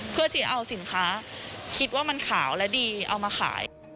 เพื่อที่เอาสินค้าคิดว่ามันขาวและดีเอามาขาย